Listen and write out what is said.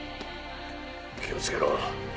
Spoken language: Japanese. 「気をつけろ」